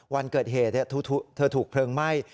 วันเกิดเหตุเธอถูกเพลิงไหม้